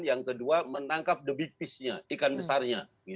yang kedua menangkap ikan besarnya